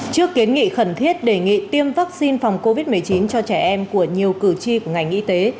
trước kiến nghị khẩn thiết đề nghị tiêm vaccine phòng covid một mươi chín cho trẻ em của nhiều cử tri của ngành y tế